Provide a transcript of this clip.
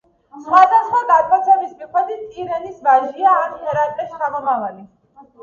სხვადასხვა გადმოცემის მიხედვით, ტირენის ვაჟია ან ჰერაკლეს შთამომავალი.